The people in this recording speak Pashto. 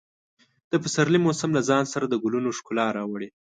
د پسرلي موسم له ځان سره د ګلونو ښکلا راوړي.